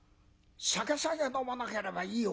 酒さえ飲まなければいい男。